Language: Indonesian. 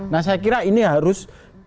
nah saya kira ini harus